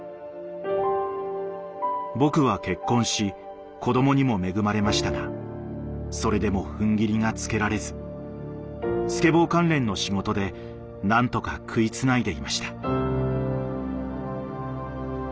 僕は結婚し子どもにも恵まれましたがそれでもふんぎりがつけられずスケボー関連の仕事で何とか食いつないでいました。